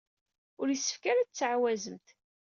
Ur yessefk ara ad tettɛawazemt.